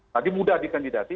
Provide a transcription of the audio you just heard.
tadi mudah dikandidati